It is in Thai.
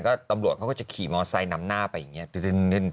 ก็ตำรวจเขาก็จะขี่มอไซคนำหน้าไปอย่างนี้